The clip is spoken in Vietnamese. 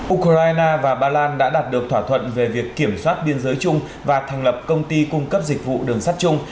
ukraine và ba lan đã đạt được thỏa thuận về việc kiểm soát biên giới chung và thành lập công ty cung cấp dịch vụ đường sắt chung